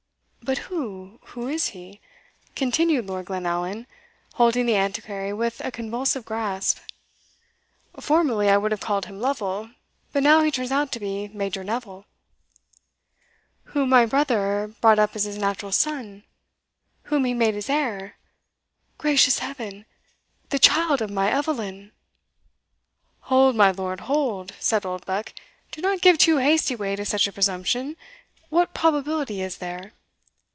"But who who is he?" continued Lord Glenallan, holding the Antiquary with a convulsive grasp. "Formerly I would have called him Lovel, but now he turns out to be Major Neville." "Whom my brother brought up as his natural son whom he made his heir Gracious Heaven! the child of my Eveline!" "Hold, my lord hold!" said Oldbuck, "do not give too hasty way to such a presumption; what probability is there?"